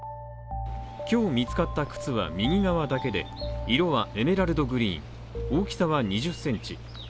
今日見つかった靴は右側だけで、色はエメラルドグリーン、大きさは２０センチ。